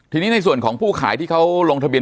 ทีนี้ในส่วนของผู้ขายที่เขาลงทะเบีย